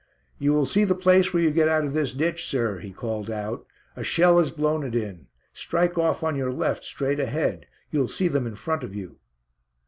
"You will see the place where you get out of this ditch, sir," he called out; "a shell has blown it in; strike off on your left straight ahead. You'll see them in front of you."